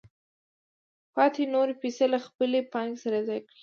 پاتې نورې پیسې له خپلې پانګې سره یوځای کوي